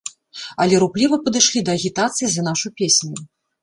Але рупліва падышлі да агітацыі за нашу песню.